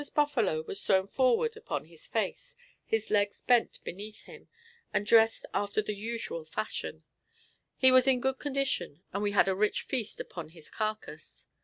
The trapper's buffalo was thrown forward upon his face, his legs bent beneath him, and dressed after the usual fashion. He was in good condition, and we had a rich feast upon his carcass.